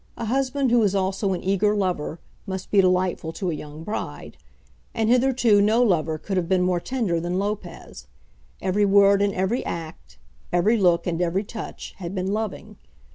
A husband who is also an eager lover must be delightful to a young bride. And hitherto no lover could have been more tender than Lopez. Every word and every act, every look and every touch, had been loving.